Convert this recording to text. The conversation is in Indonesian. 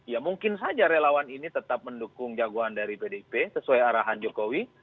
ya mungkin saja relawan ini tetap mendukung jagoan dari pdip sesuai arahan jokowi